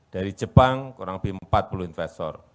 dari jepang kurang lebih empat puluh investor